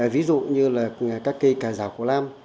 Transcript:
ví dụ như là các cây cà rào cổ nam